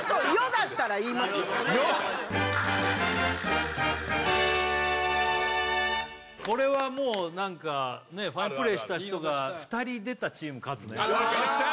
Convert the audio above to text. だからこれはもう何かファインプレーした人が２人出たチーム勝つねよっしゃ！